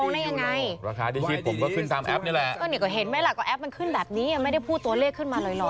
มีใบอนุญาตถูกต้องมีใบอนุญาตถูกต้อง